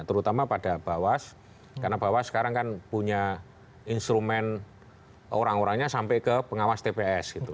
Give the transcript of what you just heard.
terutama pada bawas karena bawas sekarang kan punya instrumen orang orangnya sampai ke pengawas tps gitu